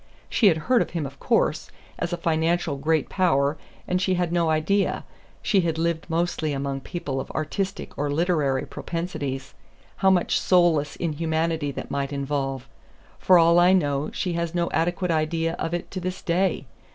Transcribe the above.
She had heard of him, of course, as a financial great power, and she had no idea she had lived mostly among people of artistic or literary propensities how much soulless inhumanity that might involve. For all I know, she has no adequate idea of it to this day.